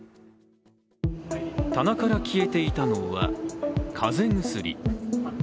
棚から消えていたのは、風邪薬。